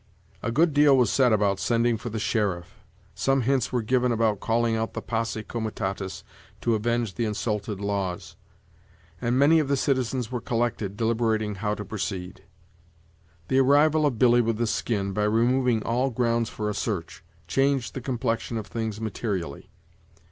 A good deal was said about sending for the sheriff; some hints were given about calling out the posse comitatus to avenge the insulted laws; and many of the citizens were collected, deliberating how to proceed. The arrival of Billy with the skin, by removing all grounds for a search, changed the complexion of things materially.